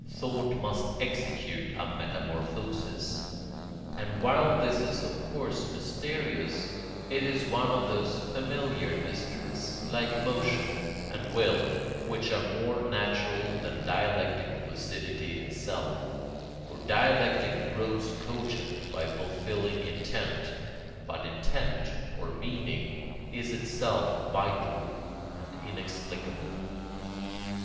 Thought must execute a metamorphosis; and while this is of course mysterious, it is one of those familiar mysteries, like motion and will, which are more natural than dialectical lucidity itself; for dialectic grows cogent by fulfilling intent, but intent or meaning is itself vital and inexplicable.